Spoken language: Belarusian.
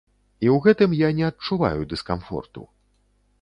І ў гэтым я не адчуваю дыскамфорту.